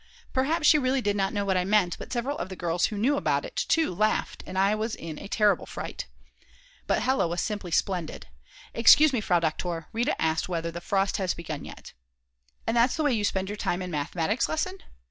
Perhaps she really did not know what I meant, but several of the girls who knew about it too laughed, and I was in a terrible fright. But Hella was simply splendid. "Excuse me, Frau Doktor, Rita asked whether the frost had begun yet." "And that's the way you spend your time in the mathematics lesson?"